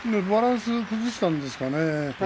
バランス崩したんですかね。